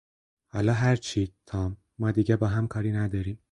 حالا هرچی، تام. ما دیگه باهم کاری نداریم.